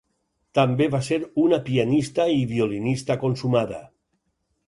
També va ser una pianista i violinista consumada.